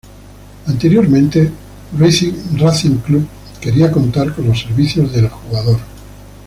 Anteriormente Racing Club quería contar con los servicios del jugador.